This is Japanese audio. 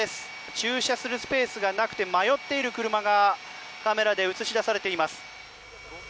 駐車するスペースがなくて迷っている車がカメラに映し出されています。